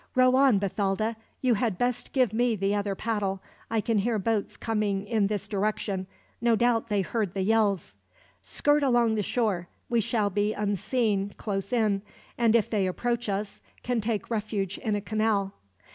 "Row on, Bathalda. You had best give me the other paddle. I can hear boats coming in this direction. No doubt they heard the yells. "Skirt along the shore. We shall be unseen, close in; and if they approach us, can take refuge in a canal."